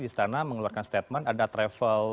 istana mengeluarkan statement ada travel